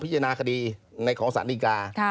พิจารณาคดีในของสารดีกา